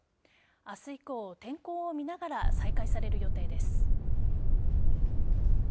明日以降、天候を見ながら再開される予定です。